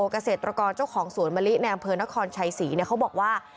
เกษตรกรเจ้าของสวนมะลิในอำเภอนครชัยศรีเขาบอกว่า